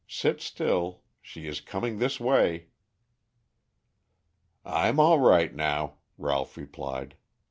Sit still; she is coming this way." "I'm all right now," Ralph replied.